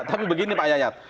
tapi begini pak yayat